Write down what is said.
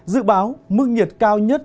dự báo mức nhiệt cao nhất